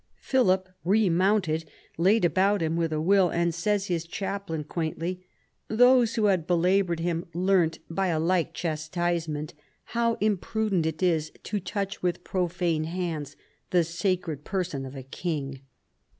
Philip remounted, laid about him with a will, and, says his chaplain quaintly, "those who had belaboured him learnt, by a like chastisement, how imprudent it is to touch with pro fane hands the sacred person of a king."